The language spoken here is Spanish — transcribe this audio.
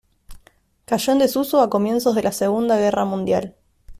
Cayó en desuso a comienzos de la Segunda Guerra Mundial.